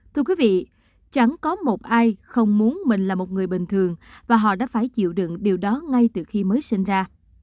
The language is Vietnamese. thưa quý vị chẳng có một ai không muốn mình là một người bình thường và họ đã phải chịu đựng điều đó ngay từ khi mới sinh ra